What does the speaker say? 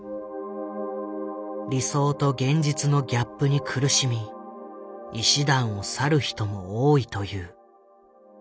理想と現実のギャップに苦しみ医師団を去る人も多いという。